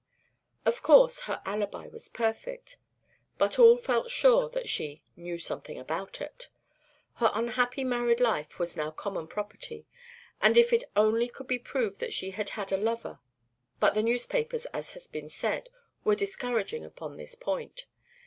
Of course, her alibi was perfect, but all felt sure that she "knew something about it." Her unhappy married life was now common property, and if it only could be proved that she had had a lover but the newspapers as has been said were discouraging upon this point.